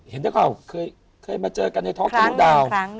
เห็นได้ไหมครับเคยมาเจอกันในท้องกับลูกดาว